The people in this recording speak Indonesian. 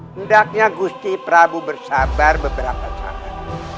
hendaknya gusti prabu bersabar beberapa saat